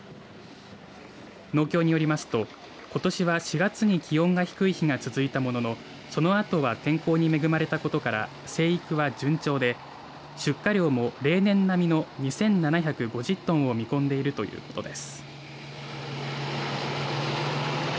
農協によりますとことしは４月に気温が低い日が続いたもののそのあとは天候に恵まれたことから生育は順調で出荷量も例年並みの２７５０トンを見込んでいるということです。